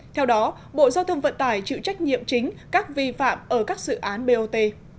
theo đó bộ giao thông vận tải chịu trách nhiệm chính các vi phạm ở các dự án bot